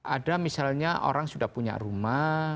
ada misalnya orang sudah punya rumah